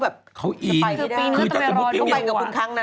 ปีนี่เค้าต้องไปรออยู่เค้าไปกับบุงครั้งนั้นน่ะ